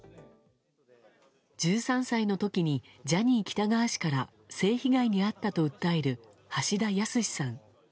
１３歳の時にジャニー喜多川氏から性被害に遭ったと訴える橋田康さん。